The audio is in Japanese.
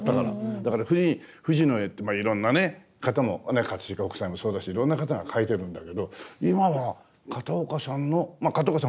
だから富士の絵っていろんなね飾北斎もそうだしいろんな方が描いてるんだけど今は片岡さんのまあ片岡さん